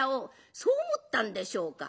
そう思ったんでしょうか。